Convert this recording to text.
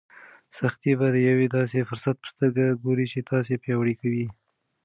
سختۍ ته د یو داسې فرصت په سترګه ګوره چې تا پیاوړی کوي.